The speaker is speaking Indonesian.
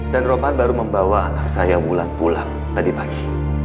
dan roman baru membawa anak saya wulan pulang tadi pagi